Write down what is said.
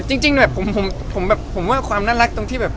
จริงแบบผมแบบผมว่าความน่ารักตรงที่แบบ